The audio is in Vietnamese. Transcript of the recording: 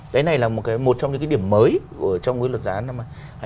đấy này là một cái một trong những cái điểm mới của trong cái luật giá năm hai nghìn hai mươi ba